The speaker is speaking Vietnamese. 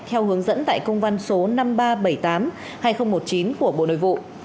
theo hướng dẫn tại công văn số năm nghìn ba trăm bảy mươi tám hai nghìn một mươi chín của bộ nội vụ